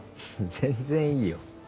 全然いいよ。